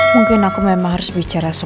mungkin aku memang harus bicara sama mirvan